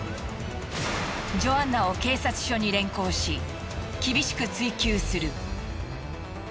ジョアンナを警察署に連行し厳しく追及する。